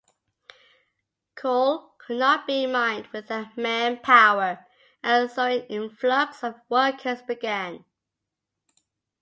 Coal could not be mined without manpower, and so an influx of workers began.